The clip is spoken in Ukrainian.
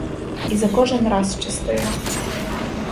І за кожен раз щастило.